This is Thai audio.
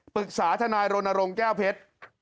ปรึกษาธนายรณรงก์แก้วเพชร